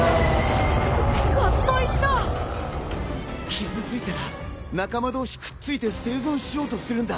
傷ついたら仲間同士くっついて生存しようとするんだ。